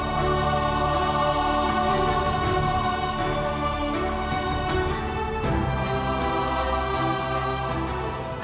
kau pernah tinggal di sini